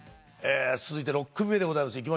続いて６組目です。